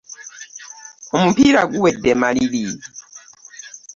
Omupiira guwedde maliri.